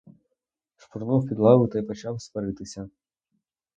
Шпурнув під лаву та й почав сваритися.